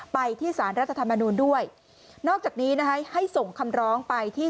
ไปที่สารรัฐธรรมนูลด้วยนอกจากนี้นะคะให้ส่งคำร้องไปที่